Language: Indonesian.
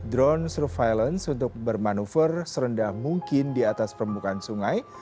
drone surveillance untuk bermanuver serendah mungkin di atas permukaan sungai